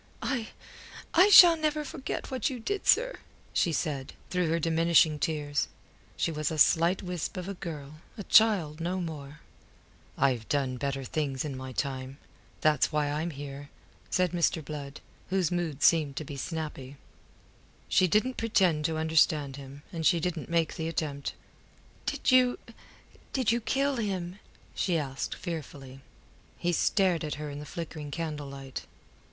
"I... I shall never forget what you did, sir," said she, through her diminishing tears. She was a slight wisp of a girl, a child, no more. "I've done better things in my time. That's why I'm here," said Mr. Blood, whose mood seemed to be snappy. She didn't pretend to understand him, and she didn't make the attempt. "Did you... did you kill him?" she asked, fearfully. He stared at her in the flickering candlelight.